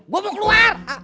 gue mau keluar